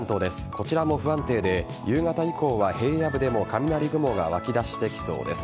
こちらも不安定で夕方以降は平野部でも雷雲が湧き出してきそうです。